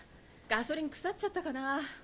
ガソリン腐っちゃったかなぁ。